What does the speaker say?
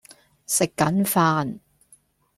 食緊飯